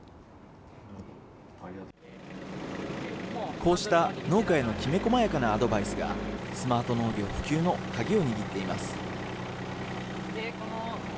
こうした農家へのきめこまやかなアドバイスが、スマート農業普及の鍵を握っています。